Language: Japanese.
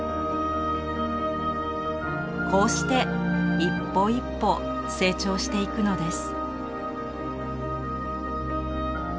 こうして一歩一歩成長していくのです。